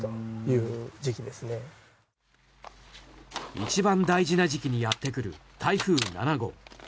一番大事な時期にやってくる台風７号。